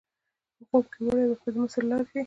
په خوب کې وری ورته د مصر لار ښیي.